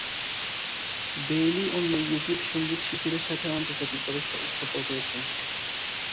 Bailey অন্য YouTube সংগীত শিল্পীদের সাথে আন্তর্জাতিকভাবে সফর করেছেন।